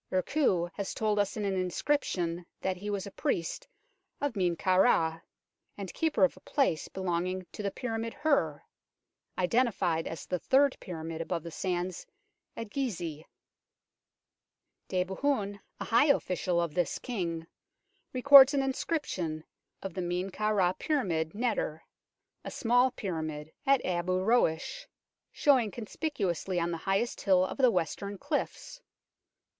Urkhuu has told us in an inscription that he was a priest of Men kau Ra, and keeper of a place belonging to the pyramid Her identified as the Third Pyramid above the sands at Gizeh. Debehen, a high official of this king, records an inscription of the Men kau Ra pyramid Neter a small pyramid at Abu Roash, showing conspicuously on the highest hill of the western cliffs.